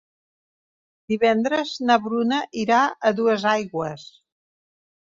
Divendres na Bruna irà a Duesaigües.